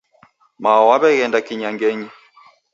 Mao waweghenda kinyangenyi